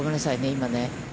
今ね。